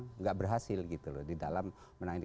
tidak berhasil gitu loh di dalam menang ini